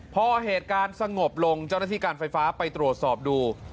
พอเหตุการณ์สงบลงเจ้าหน้าที่การไฟฟ้าไปตรวจสอบดู